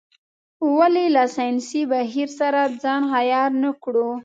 ولې له ساینسي بهیر سره ځان عیار نه کړو.